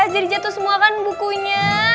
jatuh semua kan bukunya